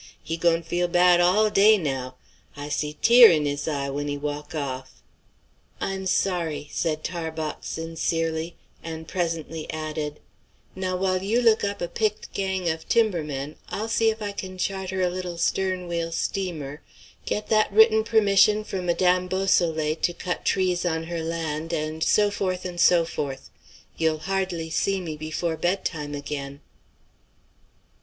He goin' feel bad all day now; I see tear' in his eye when he walk off." "I'm sorry," said Tarbox sincerely, and presently added, "Now, while you look up a picked gang of timber men, I'll see if I can charter a little stern wheel steamer, get that written permission from Madame Beausoleil to cut trees on her land, and so forth, and so forth. You'll hardly see me before bedtime again."